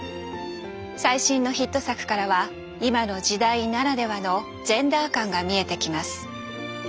最新のヒット作からは今の時代ならではのジェンダー観が見えてきます。